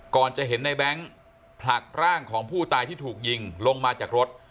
ก่อนจะเห็นในแบงค์ผลักร่างของผู้ตายที่ถูกยิงลงมาจากรถ